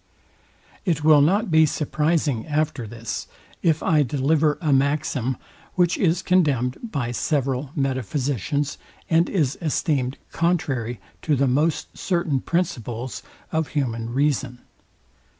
It will not be surprising after this, if I deliver a maxim, which is condemned by several metaphysicians, and is esteemed contrary to the most certain principles of hum reason.